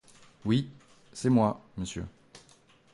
Oui, c'est moi, monsieur.